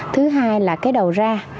thứ hai là cái đầu ra